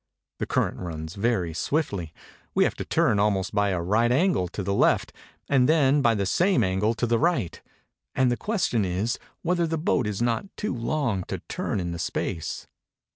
The current runs very swiftly. We have to turn almost by a right angle to the left and then by the sam.e angle to the right; and the question is whether the boat is not too long to turn in the space.